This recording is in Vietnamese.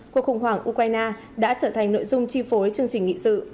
cuộc khủng hoảng ukraine đã trở thành nội dung chi phối chương trình nghị sự